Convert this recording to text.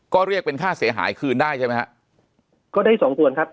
ก็เรียกเป็นค่าเสียหายคืนได้ใช่ไหมฮะก็ได้สองส่วนครับ